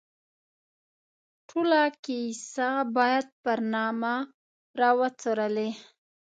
ټوله کیسه باید پر نامه را وڅورلي.